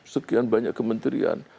sekian banyak kementerian